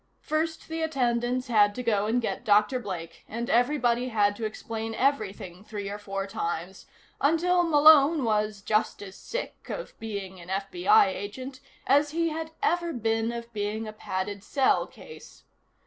First the attendants had to go and get Dr. Blake, and everybody had to explain everything three or four times, until Malone was just as sick of being an FBI agent as he had ever been of being a padded cell case.